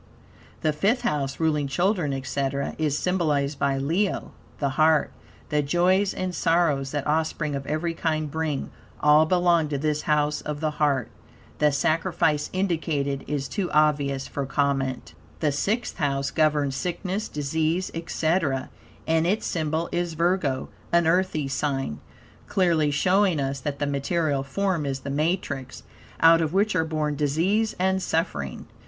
The Fifth House, ruling children, etc., is symbolized by Leo (the Heart). The joys and sorrows that offspring of every kind bring, all belong to this House of the Heart. The sacrifice indicated is too obvious for comment. The Sixth House governs sickness, disease, etc., and its symbol is Virgo, an Earthy sign, clearly showing us that the material form is the matrix, out of which are born disease and suffering.